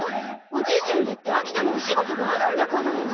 おじいちゃんだって秋田のお仕事があるんだから。